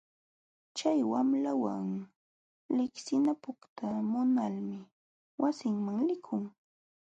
Chay wamlawan liqsinakuyta munalmi wasinman likun.